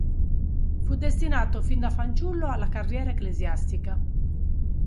Fu destinato fin da fanciullo alla carriera ecclesiastica.